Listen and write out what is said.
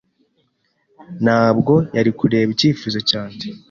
Ntabwo yari kureba icyifuzo cyanjye.